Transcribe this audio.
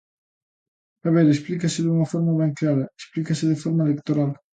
A ver, explícase dunha forma ben clara, explícase de forma electoral.